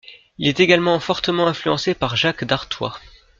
Il est également fortement influencé par Jacques d'Arthois.